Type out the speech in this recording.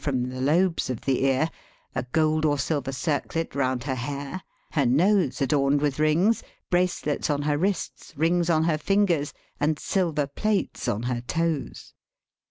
147 from the lobes of the ear, a gold or silver circlet round her hair, her nose adorned with rings, bracelets on her wrists, rings on her fingers, and silver plates on her toes.